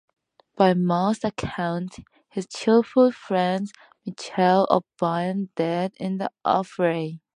By most accounts, his childhood friend Michael O'Brien died in the affray.